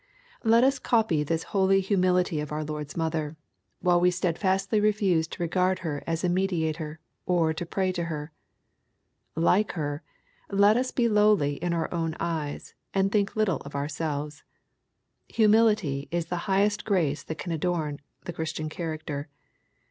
Let us copy this holy humility of our Lord's mother, while we steadfastly refuse to regard her as a mediator, or to pray to her. Like her, let us be lowly in our own eyes, and think little of ourselves. Humility is the high est grace that can adorn the Christian character.